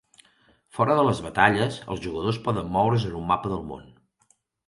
Fora de les batalles, els jugadors poden moure's en un mapa del món.